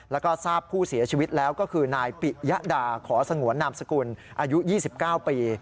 แล้วก็ทราบผู้เสียชีวิตแล้วก็คือนายปิยะดาขอสงวนนามสกุลอายุ๒๙ปี